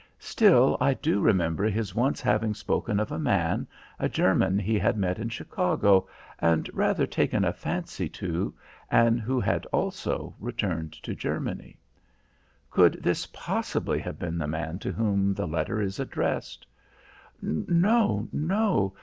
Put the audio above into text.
Still, I do remember his once having spoken of a man, a German he had met in Chicago and rather taken a fancy to, and who had also returned to Germany." "Could this possibly have been the man to whom the letter is addressed?" "No, no.